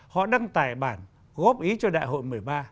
họ đăng tài bản góp ý cho đại hội một mươi ba